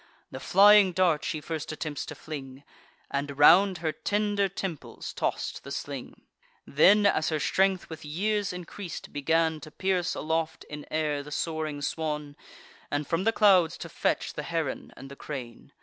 The flying dart she first attempts to fling, And round her tender temples toss'd the sling; Then, as her strength with years increas'd, began To pierce aloft in air the soaring swan, And from the clouds to fetch the heron and the crane.